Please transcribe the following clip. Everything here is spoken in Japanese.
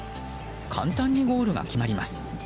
簡単にゴールが決まります。